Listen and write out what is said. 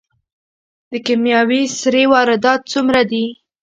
د کیمیاوي سرې واردات څومره دي؟